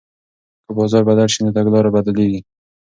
که بازار بدل شي نو تګلاره بدلیږي.